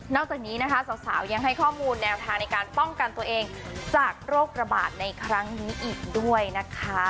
จากนี้นะคะสาวยังให้ข้อมูลแนวทางในการป้องกันตัวเองจากโรคระบาดในครั้งนี้อีกด้วยนะคะ